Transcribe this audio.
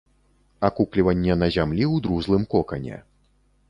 Акукліванне на зямлі ў друзлым кокане.